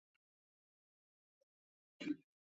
宁桥郡是越南湄公河三角洲芹苴市中心的一个郡。